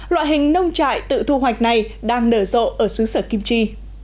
loại hình nông trại tự thu hoạch này đang nở rộ ở xứ sở kim chi